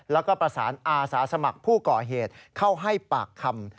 แล้วก็ประสานอาสาสมัครผู้ก่อเหตุเข้าให้ปากคำ